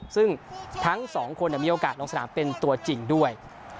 ซึ่งทั้งสองคนมีโอกาสลงสนามเป็นตัวจริงด้วย